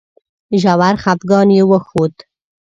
ژور خپګان یې وښود.